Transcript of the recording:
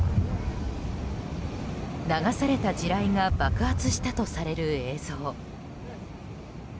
流された地雷が爆発したとされる映像。